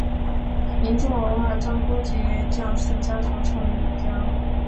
民众偶尔将高级武士家族称作武家。